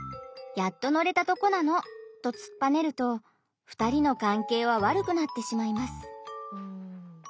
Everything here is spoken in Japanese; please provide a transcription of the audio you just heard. やっと乗れたとこなの！」とつっぱねると２人の関係は悪くなってしまいます。